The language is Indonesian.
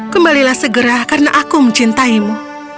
kembalilah segera karena aku mencintaimu